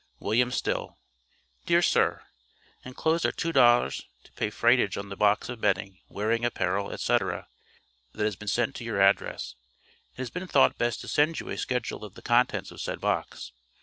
WILLIAM STILL: Dear Sir: Enclosed are $2,00, to pay freightage on the box of bedding, wearing apparel, etc., that has been sent to your address. It has been thought best to send you a schedule of the contents of said box.